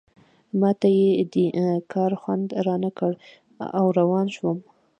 ما ته یې دې کار خوند رانه کړ او روان شوم.